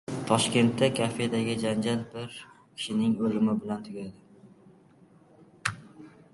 Toshkentda kafedagi janjal bir kishining o‘limi bilan tugadi